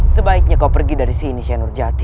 sebaiknya kau pergi dari sini senurjati